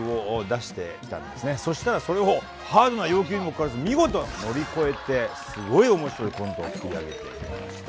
そしたらそれをハードな要求にもかかわらず見事乗り越えてすごい面白いコントを作り上げてくれました。